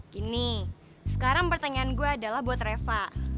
gini sekarang pertanyaan gue adalah buat reva